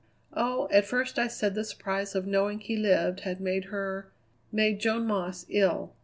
"Oh, at first I said the surprise of knowing he lived had made her, made Joan Moss, ill.